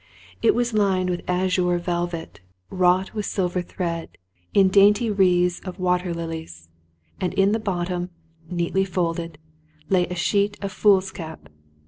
It was lined with azure velvet, wrought with silver thread, in dainty wreathe of water lilies; and in the bottom, neatly folded, lay a sheet of foolscap.